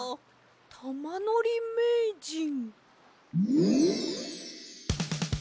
たまのりめいじん。